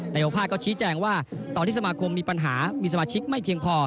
นายกภาคก็ชี้แจงว่าตอนที่สมาคมมีปัญหามีสมาชิกไม่เพียงพอ